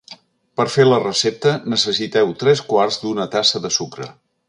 Per fer la recepta, necessiteu tres quarts d'una tassa de sucre.